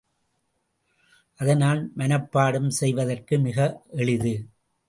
அதனால் மனப்பாடம் செய்வதற்கு மிக எளிது.